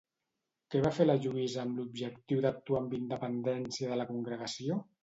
Què va fer la Lluïsa amb l'objectiu d'actuar amb independència de la congregació?